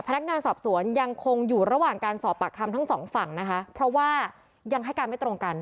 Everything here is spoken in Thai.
พนักงานสอบสวนยังคงอยู่ระหว่างการสอบปากคำทั้งสองฝั่งนะคะเพราะว่ายังให้การไม่ตรงกัน